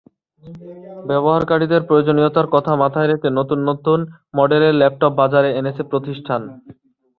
ব্যবহারকারীদের প্রয়োজনীয়তার কথা মাথায় রেখে নতুন নতুন মডেলের ল্যাপটপ বাজারে এনেছে প্রতিষ্ঠান।